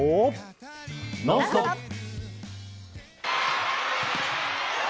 「ノンストップ！」。